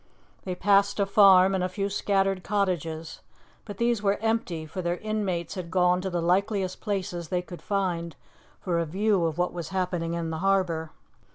They passed a farm and a few scattered cottages; but these were empty, for their inmates had gone to the likeliest places they could find for a view of what was happening in the harbour.